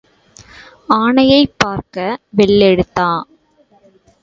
ஆனையைப் பார்க்க வெள்ளெழுத்தா?